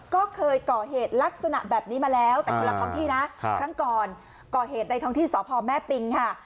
ก็เคยก่อเหตุลักษณะแบบนี้มาแล้วแต่คนละท้องที่นะครั้งก่อนก่อเหตุในท้องที่สพแม่ปิงค่ะ